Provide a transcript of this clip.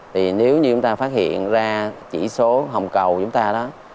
thì nếu như chúng ta phát hiện ra chỉ số hồng cầu chúng ta đó